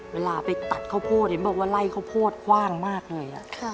เวลาไปตัดข้าวโพดเห็นบอกว่าไล่ข้าวโพดกว้างมากเลย